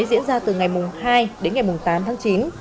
diễn ra từ ngày hai đến ngày tám tháng chín